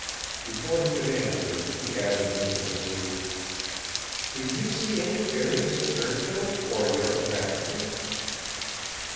Before he could answer she added mischievously: "Did you see any fairies at Churchill or York Factory?"